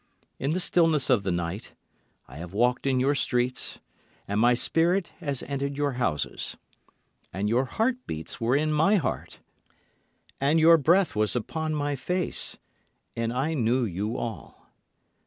In the stillness of the night I have walked in your streets, and my spirit has entered your houses, And your heart beats were in my heart, and your breath was upon my face, and I knew you all.